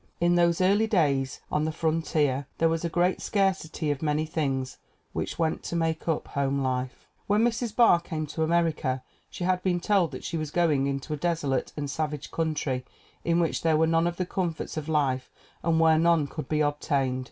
In those early days on the frontier there was a great scarcity of many things which went to make up home life. When Mrs. 3 o8 THE WOMEN WHO MAKE OUR NOVELS Barr came to America she had been told that she was going into a desolate and savage country in which there were none of the comforts of life and where none could be obtained.